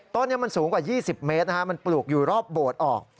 ต้นนี้มันสูงกว่า๒๐เมตรมันปลูกอยู่รอบโบสถ์ออก